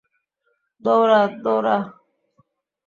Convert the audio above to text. দৌড়া, দৌড়া।